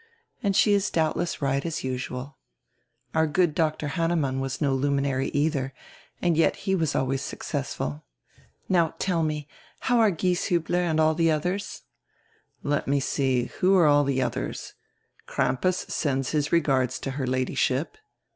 And she is doubdess right, as usual. Our good Dr. Hannemann was no luminary eidier, and yet he was always successful. Now tell me, how are Gieshiibler and all die otiiers?" "Let me see, who are all die others? Crampas sends his regards to her Ladyship."